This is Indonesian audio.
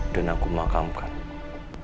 dan aku akan memakamkan kamu